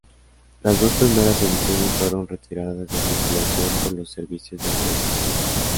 Las dos primeras ediciones fueron retiradas de circulación por los servicios de información.